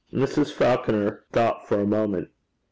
Mrs. Falconer thought for a moment.